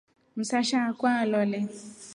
Msasha akwa alole.